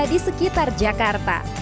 di sekitar jakarta